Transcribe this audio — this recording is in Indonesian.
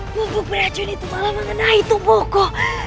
bumbu racun itu malah mengenai tubuhku